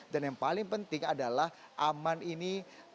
dan yang paling penting adalah aman ini